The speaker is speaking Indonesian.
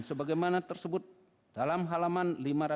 sebagaimana tersebut dalam halaman lima ratus lima belas